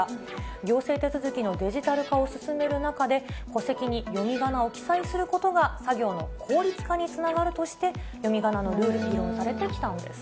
行政手続きのデジタル化を進める中で、戸籍に読みがなを記載することが作業の効率化につながるとして、読みがなのルール、議論されてきたんです。